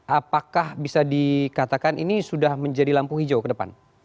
apakah bisa dikatakan ini sudah menjadi lampu hijau ke depan